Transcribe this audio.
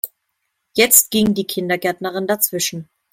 Jetzt ging die Kindergärtnerin dazwischen.